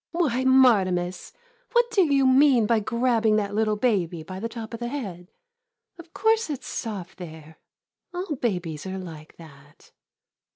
] Why, Martimas, what do you mean by grabbing that little baby by the top of the head ? Of course it 's soft there — all babies are like that.